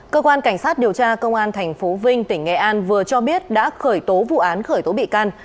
cơ quan cảnh sát điều tra công an tp vinh tỉnh nghệ an vừa cho biết đã khởi tố vụ án khởi tố bị can